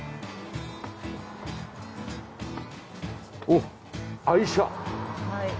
おっ愛車。